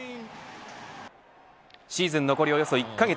シーズン残りおよそ１カ月。